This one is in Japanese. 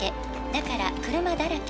「だから車だらけ」